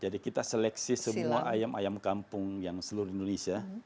jadi kita seleksi semua ayam ayam kampung yang seluruh indonesia